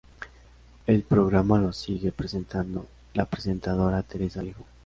El programa lo sigue presentando la presentadora Teresa Viejo.